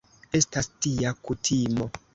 Estas tia kutimo.